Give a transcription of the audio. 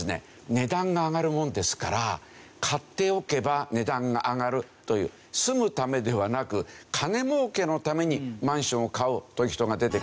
値段が上がるもんですから「買っておけば値段が上がる」という住むためではなく金儲けのためにマンションを買うという人が出てきて。